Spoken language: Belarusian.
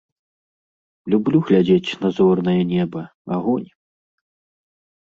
Люблю глядзець на зорнае неба, агонь.